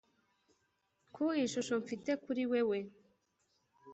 ku ishusho mfite kuri wewe,